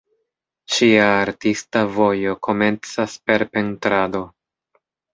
Ŝia artista vojo komencas per pentrado.